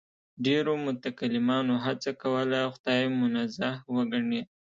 ډېرو متکلمانو هڅه کوله خدای منزه وګڼي.